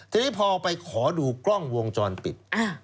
ทีนี้พอไปขอดูกล้องวงจรปิด